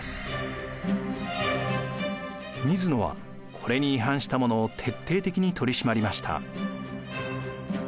水野はこれに違反した者を徹底的に取り締まりました。